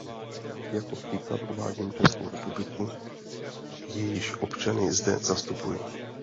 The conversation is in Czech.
Jako příklad uvádím Českou republiku, jejíž občany zde zastupuji.